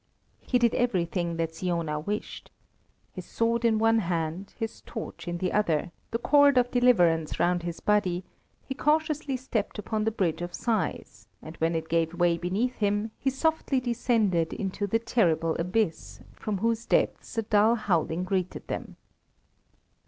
He did everything that Siona wished. His sword in one hand, his torch in the other, the card of deliverance round his body, he cautiously stepped upon the bridge of sighs, and when it gave way beneath him, he softly descended into the terrible abyss, from whose depths a dull howling greeted him.